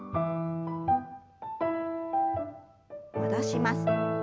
戻します。